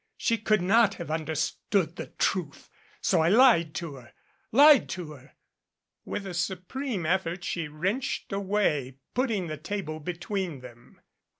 She could not have understood the truth so I lied to her lied to her." And with a supreme effort she wrenched away, put ting the table between them.